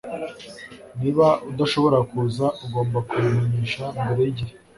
Niba udashobora kuza ugomba kubimenyesha mbere yigihe